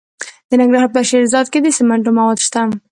د ننګرهار په شیرزاد کې د سمنټو مواد شته.